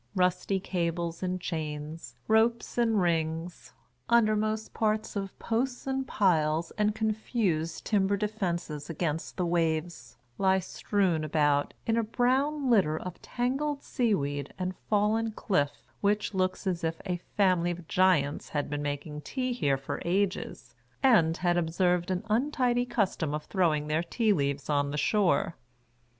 Rusty cables and chains, ropes and rings, undermost parts of posts and piles and confused timber defences against the waves, lie strewn about, in a brown litter of tangled sea weed and fallen cliff which looks as if a family of giants had been making tea here for ages, and had observed an untidy custom of throwing their tea leaves on the shore.